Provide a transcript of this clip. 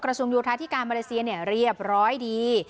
กระทรวงยูท้าที่กามาเลเซียเรียบร้อยดี